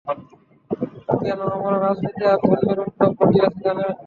কেন আমরা রাজনীতি আর ধর্মের উদ্ভব ঘটিয়েছি জানেন?